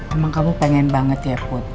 emang kamu pengen banget ya put